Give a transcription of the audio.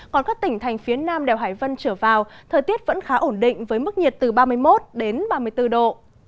còn các tỉnh thành phía nam đèo hải vân trở vào thời tiết vẫn khá ổn định với mức nhiệt từ ba mươi một ba mươi bốn độ